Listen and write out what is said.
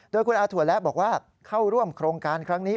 โดยคุณอาถั่วและบอกว่าเข้าร่วมโครงการครั้งนี้